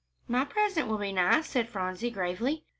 "My present will be nice," said Phronsie, gravely.